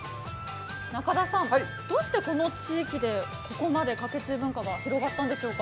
どうしてこの地域で、ここまでかけ中文化が広がったんでしょうか？